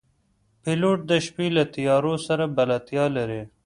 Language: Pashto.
پیلوټ د شپې له تیارو سره بلدتیا لري.